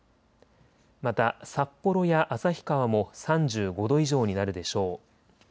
また札幌や旭川も３５度以上になるでしょう。